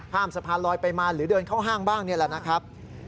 สะพานลอยไปมาหรือเดินเข้าห้างบ้างนี่แหละนะครับ